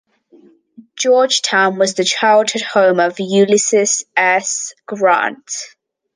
Georgetown was the childhood home of Ulysses S. Grant.